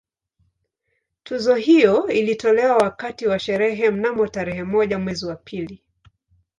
Tuzo hiyo ilitolewa wakati wa sherehe mnamo tarehe moja mwezi wa pili